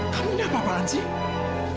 kamu ini apa apaan sih